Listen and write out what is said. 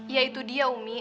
ya itu dia umi